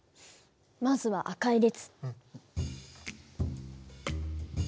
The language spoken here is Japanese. まずは赤い列。